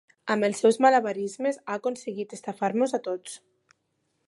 Amb els seus malabarismes ha aconseguit d'estafar-nos a tots.